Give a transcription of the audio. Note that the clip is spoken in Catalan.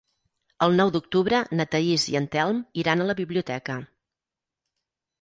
El nou d'octubre na Thaís i en Telm iran a la biblioteca.